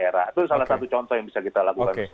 itu salah satu contoh yang bisa kita lakukan